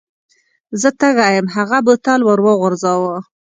زه تږی یم هغه بوتل ور وغورځاوه.